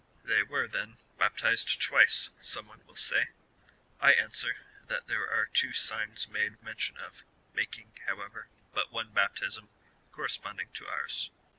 " They were, then, baptized twice," some one will say. I answer, that there are two signs made mention of, making, however, but one baptism, correspond ing to ours.